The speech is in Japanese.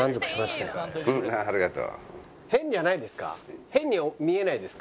変じゃないですか？